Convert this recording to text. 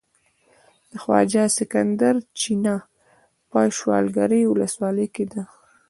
د خواجه سکندر چينه په شولګرې ولسوالۍ کې ده.